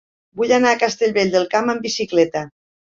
Vull anar a Castellvell del Camp amb bicicleta.